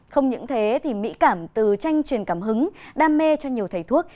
không những thế thì mỹ cảm từ tranh truyền cảm hứng đam mê cho nhiều thầy thuốc